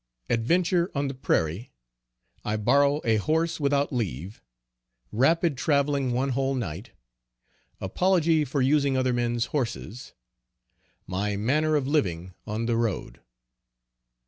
_Adventure on the Prairie. I borrow a horse without leave. Rapid traveling one whole night. Apology for using other men's horses. My manner of living on the road.